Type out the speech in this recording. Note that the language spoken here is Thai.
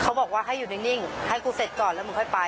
เขาบอกว่าให้อยู่นิ่งให้กูเสร็จก่อนแล้วมึงค่อยไป